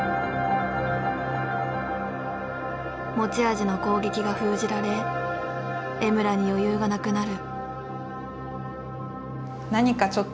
持ち味の攻撃が封じられ江村に余裕がなくなる。